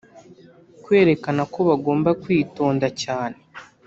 kwerekana ko bagomba kwitonda cyane.